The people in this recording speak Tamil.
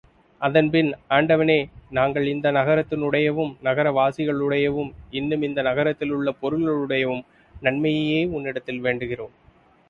அதன்பின், ஆண்டவனே, நாங்கள் இந்த நகரத்தினுடையவும், நகர வாசிகளுடையவும், இன்னும் இந்த நகரத்திலுள்ள பொருள்களுடையவும் நன்மையையே உன்னிடத்தில் வேண்டுகிறோம்.